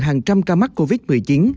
hàng trăm ca mắc covid một mươi chín